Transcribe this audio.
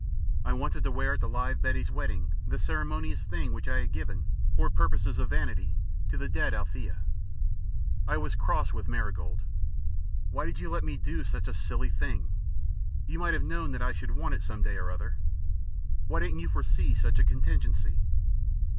I wanted to wear at the live Betty's wedding the ceremonious thing which I had given, for purposes of vanity, to the dead Althea. I was cross with Marigold. "Why did you let me do such a silly thing? You might have known that I should want it some day or other. Why didn't you foresee such a contingency?"